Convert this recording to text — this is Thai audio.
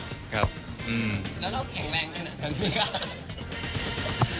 แล้วเล่าแข็งแรงขนาดไหนครับ